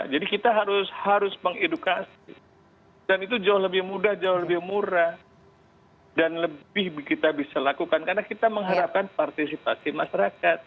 jadi kita harus mengedukasi dan itu jauh lebih mudah jauh lebih murah dan lebih kita bisa lakukan karena kita mengharapkan partisipasi masyarakat